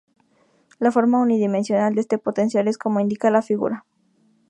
La forma unidimensional de este potencial es como indica la figura.